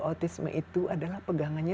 autism itu adalah pegangannya